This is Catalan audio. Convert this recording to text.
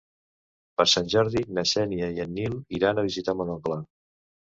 Per Sant Jordi na Xènia i en Nil iran a visitar mon oncle.